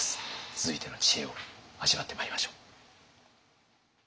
続いての知恵を味わってまいりましょう。